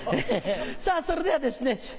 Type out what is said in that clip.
さぁそれではですね